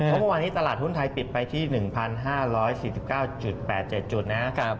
เพราะเมื่อวานนี้ตลาดหุ้นไทยปิดไปที่๑๕๔๙๘๗จุดนะครับ